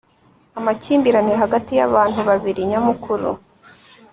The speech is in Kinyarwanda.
Amakimbirane hagati yabantu babiri nyamukuru